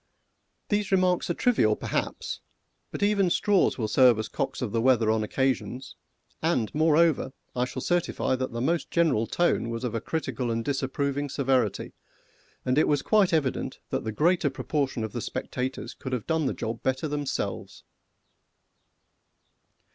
These remarks are trivial, perhaps, but even straws will serve as cocks of the weather on occasions, and, moreover, I shall certify that the most general tone was of a critical and disapproving severity, and it was quite evident that the greater portion of the spectators could have done the job better themselves.